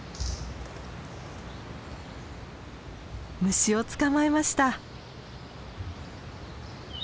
虫を捕まえました。